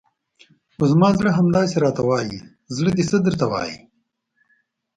خو زما زړه همداسې راته وایي، زړه دې څه درته وایي؟